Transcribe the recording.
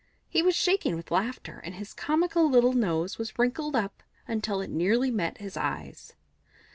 He was shaking with laughter, and his comical little nose was wrinkled up until it nearly met his eyes.